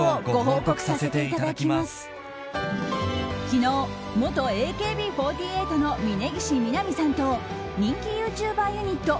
昨日元ＡＫＢ４８の峯岸みなみさんと人気ユーチューバーユニット